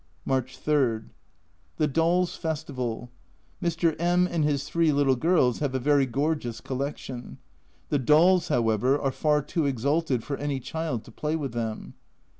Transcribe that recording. March 3. The Dolls' Festival. Mr. Mj and his three little girls have a very gorgeous collection ; the dolls, however, are far too exalted for any child to play with them.